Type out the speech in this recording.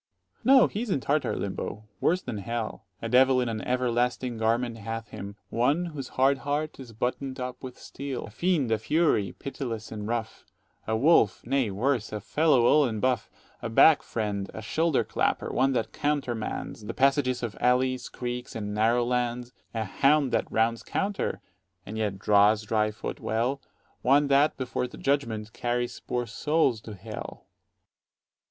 Dro. S. No, he's in Tartar limbo, worse than hell. A devil in an everlasting garment hath him; One whose hard heart is button'd up with steel; A fiend, a fury, pitiless and rough; 35 A wolf, nay, worse; a fellow all in buff; A back friend, a shoulder clapper, one that countermands The passages of alleys, creeks, and narrow lands; A hound that runs counter, and yet draws dry foot well; One that, before the Judgment, carries poor souls to hell.